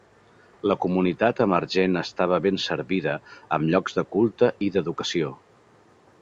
La comunitat emergent estava ben servida amb llocs de culte i d'educació.